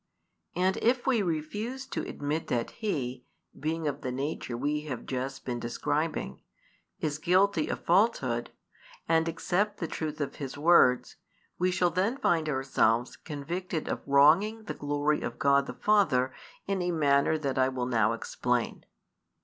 And if we refuse to admit that He (being of the nature we have just been describing) is guilty of falsehood, and accept the truth of His words, we shall then find ourselves convicted of wronging the glory of God the Father in a manner that I will now explain.